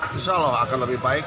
bisa loh akan lebih baik